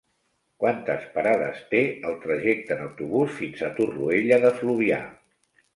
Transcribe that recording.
Quantes parades té el trajecte en autobús fins a Torroella de Fluvià?